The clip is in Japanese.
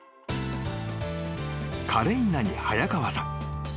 ［カレイナニ早川さん］